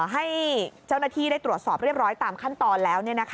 ให้เจ้าหน้าที่ได้ตรวจสอบเรียบร้อยตามขั้นตอนแล้ว